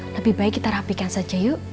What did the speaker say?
lebih baik kita rapikan saja yuk